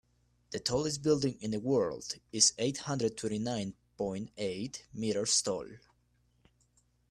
The tallest building in the world is eight hundred twenty nine point eight meters tall.